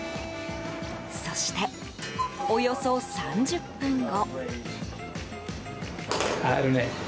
そして、およそ３０分後。